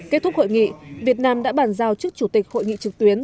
kết thúc hội nghị việt nam đã bàn giao trước chủ tịch hội nghị trực tuyến